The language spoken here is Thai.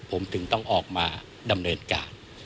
ผมถึงต้องออกมาดำเนินการ